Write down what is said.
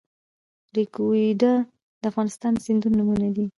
ریګویډا د افغانستان د سیندونو نومونه لري